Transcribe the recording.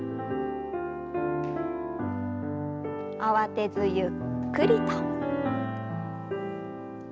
慌てずゆっくりと。